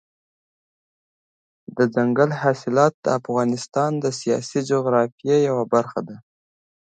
دځنګل حاصلات د افغانستان د سیاسي جغرافیې یوه برخه ده.